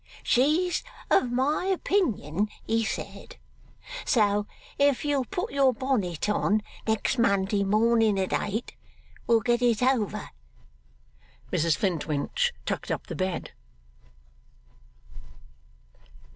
She's of my opinion," he said, "so if you'll put your bonnet on next Monday morning at eight, we'll get it over."' Mrs Flintwinch tucked up the bed.